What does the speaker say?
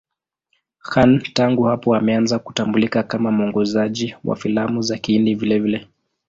Khan tangu hapo ameanza kutambulika kama mwongozaji wa filamu za Kihindi vilevile.